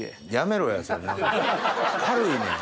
軽いねん。